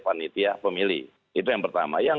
panitia pemilih itu yang pertama yang